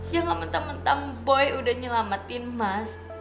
jangan mentang mentang boy udah nyelamatin mas